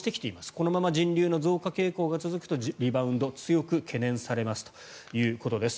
このまま人流の増加傾向が続くとリバウンドが強く懸念されますということです。